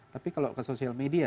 tapi kalau ke sosial media